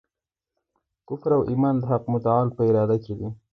کفر او ایمان د حق متعال په اراده کي دی.